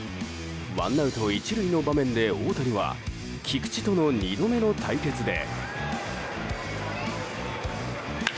ワンアウト１塁の場面で大谷は菊池との２度目の対決で。